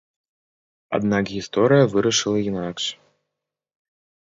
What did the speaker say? Аднак гісторыя вырашыла інакш.